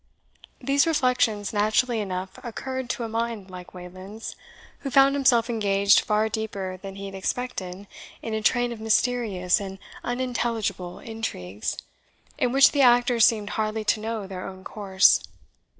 These reflections naturally enough occurred to a mind like Wayland's, who found himself engaged far deeper than he had expected in a train of mysterious and unintelligible intrigues, in which the actors seemed hardly to know their own course.